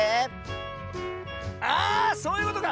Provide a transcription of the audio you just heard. あそういうことか！